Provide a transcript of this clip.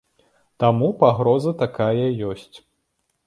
Таму пагроза такая ёсць.